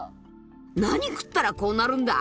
何食ったらこうなるんだ？